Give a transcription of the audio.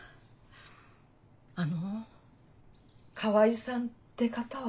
あの川合さんって方は？